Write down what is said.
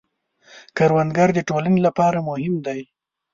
کروندګر د ټولنې لپاره مهم دی